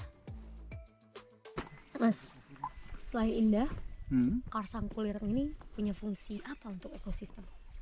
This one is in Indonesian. mas selain indah kars sangku lirang ini punya fungsi apa untuk ekosistem